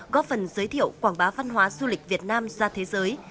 góp phần giới thiệu quảng bá văn hóa du lịch việt nam ra thế giới